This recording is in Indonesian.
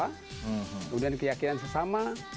kemudian keyakinan sesama